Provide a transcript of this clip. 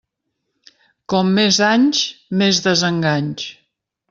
Com més anys, més desenganys.